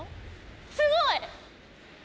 すごい！